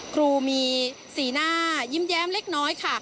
ครูมีสีหน้ายิ้มแย้มเล็กน้อยค่ะ